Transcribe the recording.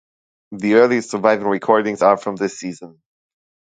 The earliest surviving recordings are from this season.